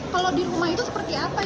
kalau di rumah itu seperti apa ibu ani